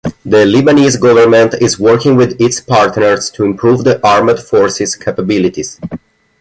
The Lebanese government is working with its partners to improve the armed forces' capabilities.